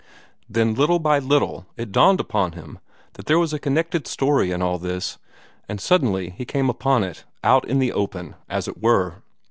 Then, little by little, it dawned upon him that there was a connected story in all this; and suddenly he came upon it, out in the open, as it were.